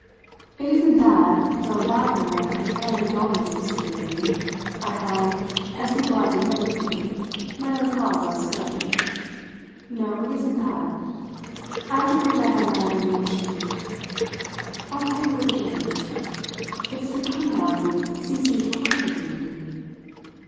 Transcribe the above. "It isn't that, thrown back on the comparative dullness of security, I find as people have been known to my own cause less good: no, it isn't that." After which I had my illumination. "I'll tell you what it is: it's the come down of ceasing to work with you!"